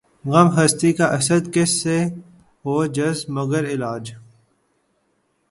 غم ہستی کا اسدؔ کس سے ہو جز مرگ علاج